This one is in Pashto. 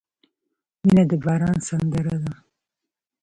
• مینه د باران سندره ده.